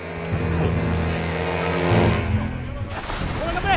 はい。